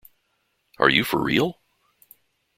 Are You for Real?